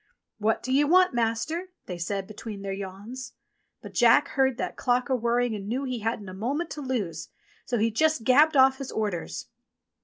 "What do you want. Master?" they said between their yawns. But Jack heard that clock a whirring and knew he hadn't a moment to lose, so he just gabbled off his orders.